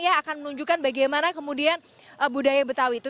yang akan menunjukkan bagaimana kemudian budaya betawi itu